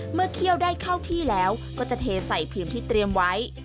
เคี่ยวได้เข้าที่แล้วก็จะเทใส่ผืนที่เตรียมไว้